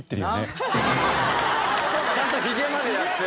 ちゃんとひげまでやって。